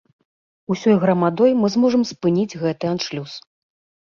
Усёй грамадой мы зможам спыніць гэты аншлюс.